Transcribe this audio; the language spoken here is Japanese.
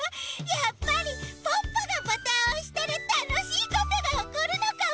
やっぱりポッポがボタンをおしたらたのしいことがおこるのかも！